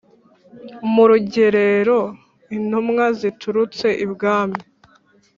murugerero intumwa ziturutse ibwami